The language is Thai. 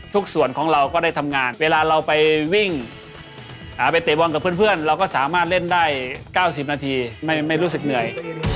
ส่วนของเราก็ได้ทำงานเวลาเราไปวิ่งไปเตะบอลกับเพื่อนเราก็สามารถเล่นได้๙๐นาทีไม่รู้สึกเหนื่อย